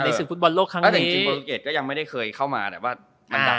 ในศึกภูตบอลโลกครั้งนี้ถ้าจริงจริงโปรตุเกตก็ยังไม่ได้เคยเข้ามาแต่ว่ามันดังเนี้ย